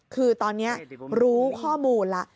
คือตอนนี้รู้ข้อมูลแล้ว